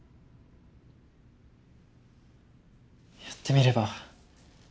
やってみれば？